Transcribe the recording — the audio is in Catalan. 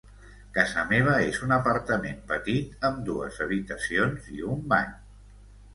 Casa meva és un apartament petit amb dues habitacions i un bany.